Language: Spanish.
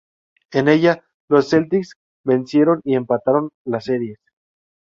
En ella, los Celtics vencieron y empataron las series.